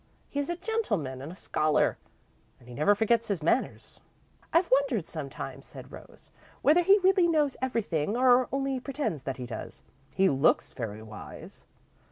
He is a gentleman and a scholar and he never forgets his manners." "I've wondered, sometimes," said Rose, "whether he really knows everything, or only pretends that he does. He looks very wise."